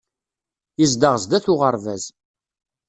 Yezdeɣ sdat n uɣerbaz